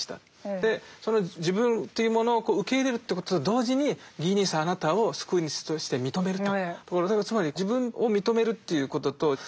でその自分というものを受け入れるってことと同時にギー兄さんあなたを救い主として認めると。